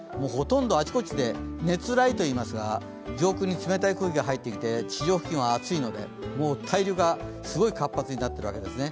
あちこちで熱雷と言いますが、上空に冷たい空気が入ってきて、地上付近は暑いので対流がすごい活発になるんですね。